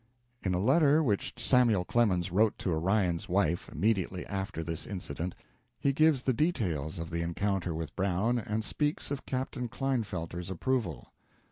In a letter which Samuel Clemens wrote to Orion's wife, immediately after this incident, he gives the details of the encounter with Brown and speaks of Captain Klinefelter's approval.